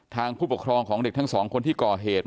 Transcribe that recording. ผู้ปกครองของเด็กทั้งสองคนที่ก่อเหตุ